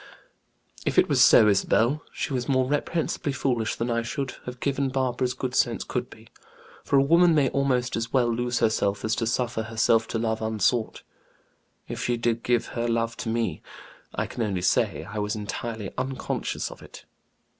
"If it was so, Isabel, she was more reprehensibly foolish than I should have given Barbara's good sense could be; for a woman may almost as well lose herself as to suffer herself to love unsought. If she did give her love to me, I can only say, I was entirely unconscious of it.